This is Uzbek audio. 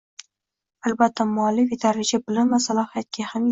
Albatta, muallif yetarlicha bilim va salohiyatga ham ega